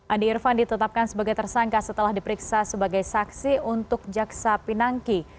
andi irfan ditetapkan sebagai tersangka setelah diperiksa sebagai saksi untuk jaksa pinangki